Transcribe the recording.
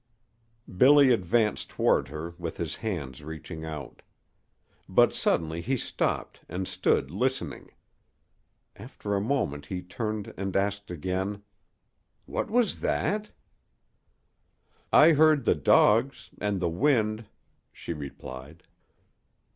Billy advanced toward her with his hands reaching out. But suddenly he stopped and stood listening. After a moment he turned and asked again: "What was that?" "I heard the dogs and the wind," she replied.